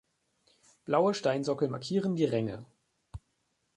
Blaue Steinsockel markieren die Ränge.